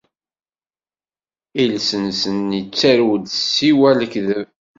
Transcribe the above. Iles-nsen ittarew-d siwa lekdeb.